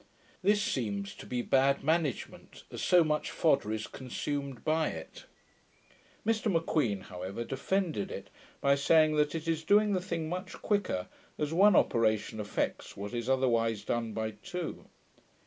This seems to be bad management, as so much fodder is consumed by it. Mr M'Queen however defended it, by saying, that it is doing the thing much quicker, as one operation effects what is otherwise done by two.